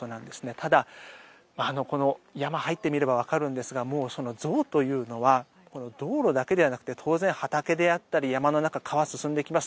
ただ、この山に入ってみればわかるんですが象というのは道路だけではなくて当然、畑であったり山の中川を進んでいきます。